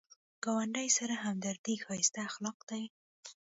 ګاونډي سره همدردي ښایسته اخلاق دي